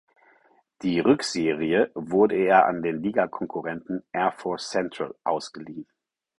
Die Rückserie wurde er an den Ligakonkurrenten Air Force Central ausgeliehen.